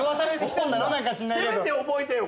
せめて覚えてよ